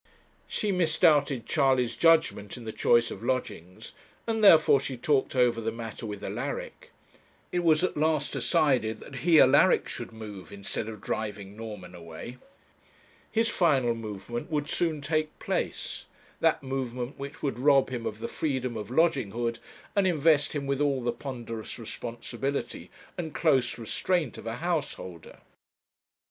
She misdoubted Charley's judgement in the choice of lodgings, and therefore she talked over the matter with Alaric. It was at last decided that he, Alaric, should move instead of driving Norman away. His final movement would soon take place; that movement which would rob him of the freedom of lodginghood, and invest him with all the ponderous responsibility and close restraint of a householder.